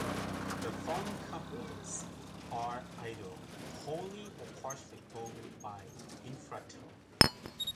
The following companies are either wholly or partially owned by Infratil.